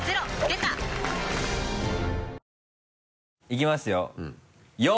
いきますよ？